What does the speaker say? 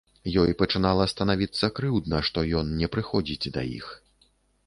Ёй пачынала станавіцца крыўдна, што ён не прыходзіць да іх.